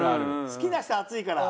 好きな人熱いから。